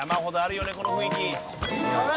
この雰囲気。